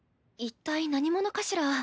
一体何者かしら？